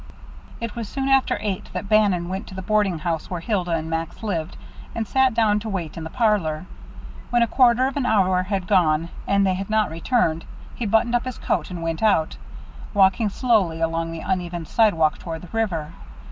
It was soon after eight that Bannon went to the boarding house where Hilda and Max lived, and sat down to wait in the parlor. When a quarter of an hour had gone, and they had not returned, he buttoned up his coat and went out, walking slowly along the uneven sidewalk toward the river.